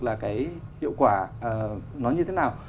là cái hiệu quả nó như thế nào